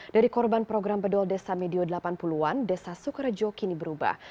dari korban program bedul desa medio delapan puluh an desa sukarejo kini berubah